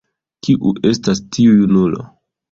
Kiu estas tiu junulo?